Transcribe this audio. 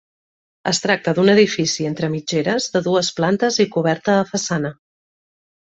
Es tracta d'un edifici entre mitgeres de dues plantes i coberta a façana.